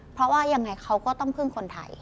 เพราะว่ายังไงเขาก็ต้องพึ่งคนไทย